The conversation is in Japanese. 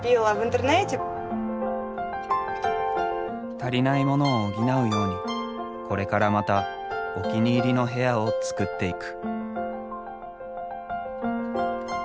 足りないモノを補うようにこれからまたお気に入りの部屋を作っていく。